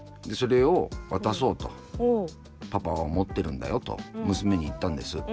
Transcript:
「それを渡そうとパパは思ってるんだよ」と娘に言ったんです。